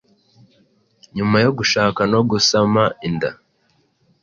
nyuma yo gushaka no gasama inda,